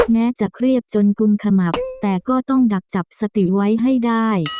แม้จะเครียดจนกุลขมับแต่ก็ต้องดักจับสติไว้ให้ได้